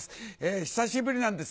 久しぶりなんです